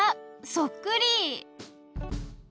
そっくり！